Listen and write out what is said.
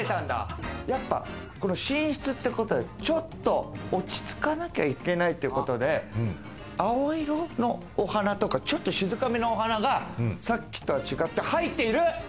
寝室ってことで、ちょっと落ち着かなきゃいけないってことで、青色のお花とか、静かめのお花がさっきとは違って入っている。